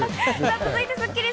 続いてはスッキりす。